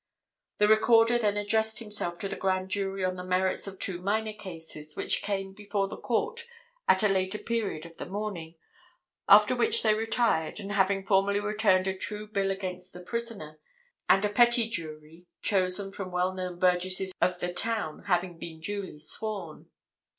The Recorder then addressed himself to the Grand Jury on the merits of two minor cases, which came before the court at a later period of the morning, after which they retired, and having formally returned a true bill against the prisoner, and a petty jury, chosen from well known burgesses of the town having been duly sworn.